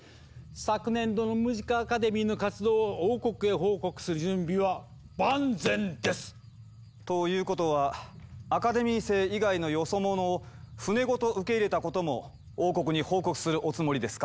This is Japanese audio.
昨年度のムジカアカデミーの活動を王国へ報告する準備は万全です！ということはアカデミー生以外のヨソモノを船ごと受け入れたことも王国に報告するおつもりですか？